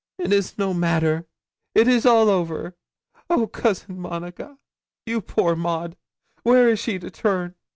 'It is no matter it is all over. Oh, Cousin Monica, your poor Maud where is she to turn?